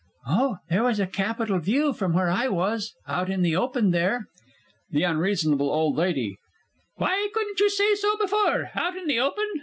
Oh, there was a capital view from where I was out in the open there. THE U. O. L. Why couldn't you say so before? Out in the open!